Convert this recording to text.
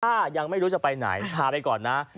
ถ้ายังไม่รู้จะไปไหนพาไปก่อนนะ